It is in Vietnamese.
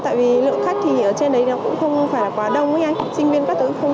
tại vì lượng khách thì ở trên đấy nó cũng không phải là quá đông với anh sinh viên bắt đầu không